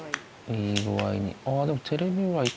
いい具合に。